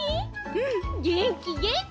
うんげんきげんき。